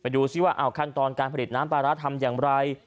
ดูซิว่าขั้นตอนการผลิตน้ำปลาร้าทำอย่างไร